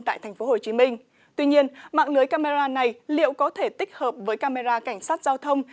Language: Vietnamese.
tại tp hcm tuy nhiên mạng lưới camera này liệu có thể tích hợp với camera cảnh sát giao thông